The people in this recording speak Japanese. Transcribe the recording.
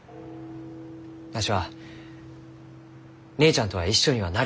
わしは姉ちゃんとは一緒にはなれん。